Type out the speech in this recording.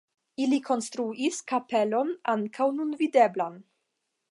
Ili konstruis kapelon ankaŭ nun videblan.